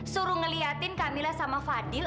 suruh ngeliatin kamila sama fadil